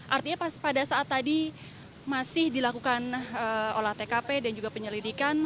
artinya pada saat tadi masih dilakukan olah tkp dan juga penyelidikan